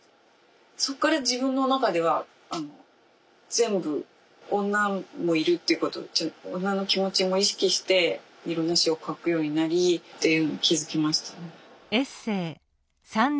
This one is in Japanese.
そこから自分の中では全部女もいるっていうこと女の気持ちも意識していろんなシーンを描くようになりっていうのに気付きましたね。